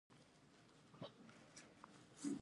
د معلوماتو په څانګه کې، معلومات ورکول کیږي.